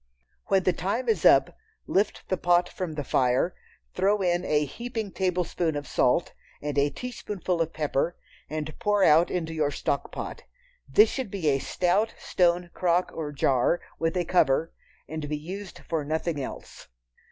When the time is up, lift the pot from the fire, throw in a heaping tablespoonful of salt, and a teaspoonful of pepper, and pour out into your "stock pot." This should be a stout stone crock or jar, with a cover, and be used for nothing else.